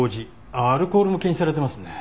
アルコールも検出されてますね。